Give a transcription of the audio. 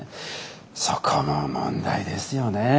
そこも問題ですよね。